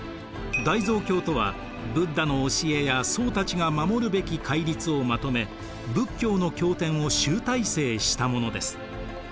大蔵経とはブッダの教えや僧たちが守るべき戒律をまとめ仏教の経典を集大成したものです。